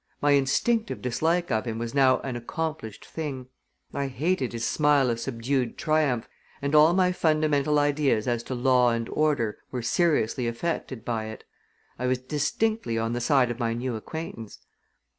My instinctive dislike of him was now an accomplished thing. I hated his smile of subdued triumph, and all my fundamental ideas as to law and order were seriously affected by it. I was distinctly on the side of my new acquaintance.